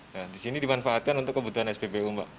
nah di sini dimanfaatkan untuk kebutuhan spbu mbak